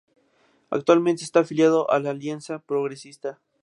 Actualmente está afiliado a la Alianza Progresista.